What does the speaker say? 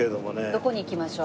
どこに行きましょう？